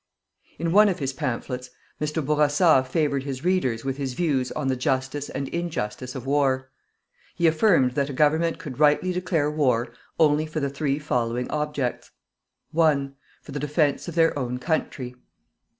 In one of his pamphlets Mr. Bourassa favoured his readers with his views on the justice and injustice of war. He affirmed that a Government could rightly declare war only for the three following objects: 1. For the defence of their own country.